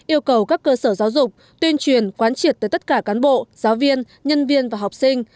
yêu cầu các cơ sở giáo dục tuyên truyền quán triệt tới tất cả cán bộ giáo viên nhân viên và học sinh